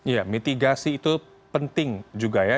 ya mitigasi itu penting juga ya